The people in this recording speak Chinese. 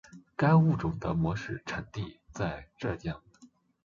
该物种的模式产地在浙江。